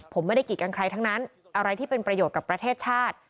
ผมไม่ได้กีดกันใครทั้งนั้นอะไรที่เป็นประโยชน์กับประเทศชาติ